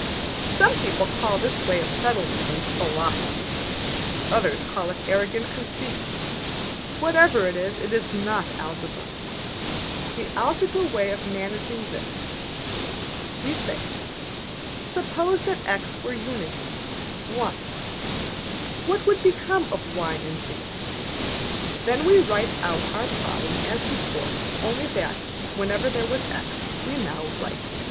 Some people call this way of settling things Philosophy; others call it arrogant conceit. Whatever it is, it is not Algebra. The Algebra way of managing is this: We say: Suppose that $x$ were Unity (1); what would become of $y$ and $z$? Then we write out our problem as before; only that, wherever there was $x$, we now write 1.